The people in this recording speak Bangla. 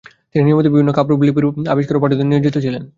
তিনি নিয়মিত বিভিন্ন কামরূপ লিপির আবিষ্কার ও পাঠোদ্ধারে নিয়োজিত ছিলেন।